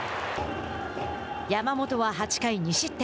山本は８回２失点。